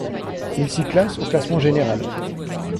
Il s'y classe au classement général.